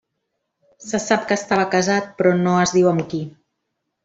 Se sap que estava casat però no es diu amb qui.